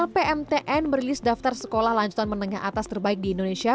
pmtn merilis daftar sekolah lanjutan menengah atas terbaik di indonesia